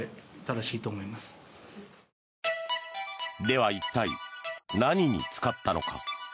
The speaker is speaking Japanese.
では一体、何に使ったのか。